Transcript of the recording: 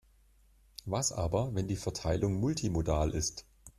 Was aber, wenn die Verteilung multimodal ist?